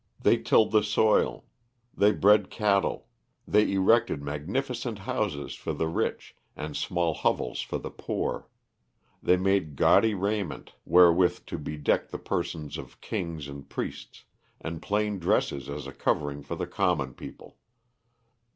They tilled the soil; they bred cattle; they erected magnificent houses for the rich and small hovels for the poor; they made gaudy raiment wherewith to bedeck the persons of kings and priests, and plain dresses as a covering for the common people.